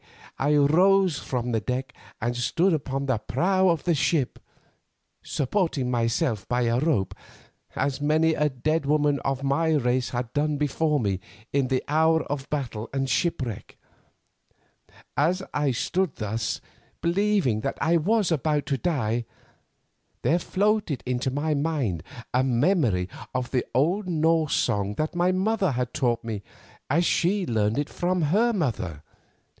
I rose from the deck and stood upon the prow of the ship, supporting myself by a rope, as many a dead woman of my race has done before me in the hour of battle and shipwreck. As I stood thus, believing that I was about to die, there floated into my mind a memory of the old Norse song that my mother had taught me as she learned it from her mother.